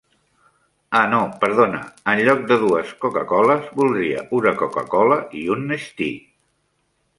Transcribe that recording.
Ah no perdona, enlloc de dues coca-coles, voldria una coca-cola i un Nestea.